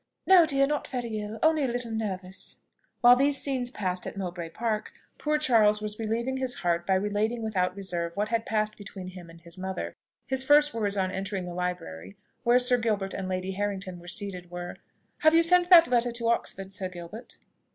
"No, dear, not very ill only a little nervous." While these scenes passed at Mowbray Park, poor Charles was relieving his heart by relating, without reserve, what had passed between him and his mother. His first words on entering the library, where Sir Gilbert and Lady Harrington were seated, were, "Have you sent that letter to Oxford, Sir Gilbert?"